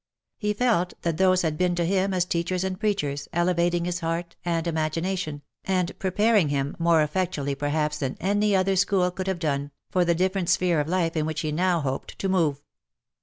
He felt that those had been to him as teachers and preachers, elevating his heart and imagination, and preparing him, more effectually perhaps than any other school could have done, for the different sphere of life in which he now hoped to move.